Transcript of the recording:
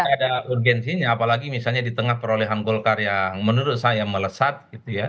tidak ada urgensinya apalagi misalnya di tengah perolehan golkar yang menurut saya melesat gitu ya